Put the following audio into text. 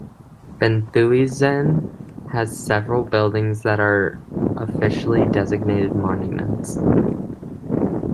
Benthuizen has several buildings that are officially designated monuments.